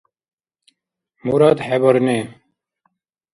Мурад хӀебарни.